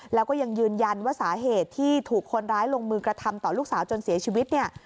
แล้วก็ยังยืนยันว่าสาเหตุที่ถูกคนร้ายลงมือกระทำต่อลูกสาวจนเสียชีวิตเนี่ย